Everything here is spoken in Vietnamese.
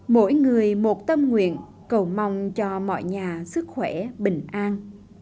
mỗi người một tâm nguyện cầu mong cho mọi nhà sức khỏe bình an